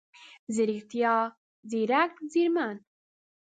ځيرکتيا، ځیرک، ځیرمن،